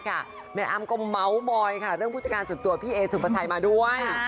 ก็เม้าว์มอยค่ะเรื่องผู้จัดงานส่วนตัวพี่เอสุภาษัยมาด้วย